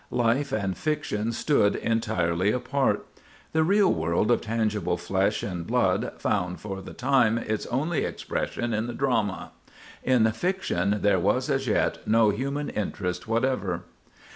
Life and fiction stood entirely apart. The real world of tangible flesh and blood found for the time its only expression in the drama. In fiction there was as yet no human interest whatever.